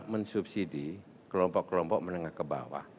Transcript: mensubsidi kelompok kelompok menengah ke bawah